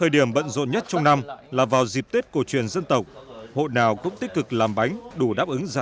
đồng chí trương thị mai